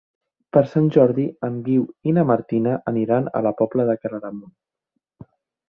Per Sant Jordi en Guiu i na Martina aniran a la Pobla de Claramunt.